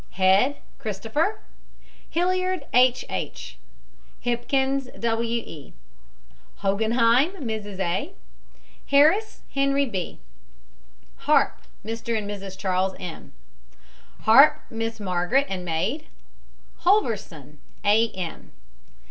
HEAD, CHRISTOPHER. HILLIARD, H. H. HIPKINS, W. E. HOGENHEIM, MRS. A. HARRIS, HENRY B. HARP, MR. AND MRS. CHARLES M. HARP, MISS MARGARET, and maid. HOLVERSON, A. M.